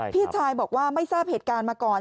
พี่ชายบอกว่าไม่ทราบเหตุการณ์มาก่อน